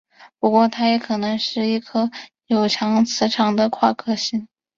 不过它也可能是一颗有强磁场的夸克星。